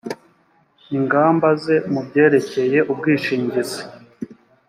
ingamba ze mu byerekeye ubwishingizi